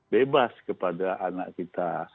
bebas kepada anak kita